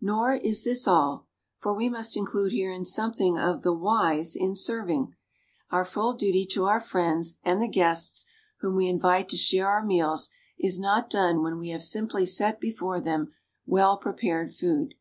Nor is this all; for we must include herein something of the "Whys" in serving. Our full duty to our friends and the guests whom we invite to share our meals is not done when we have siuiplj' set before them well prepared food.